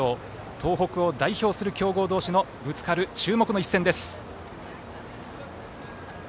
東北を代表する強豪同士のぶつかる注目の一戦です。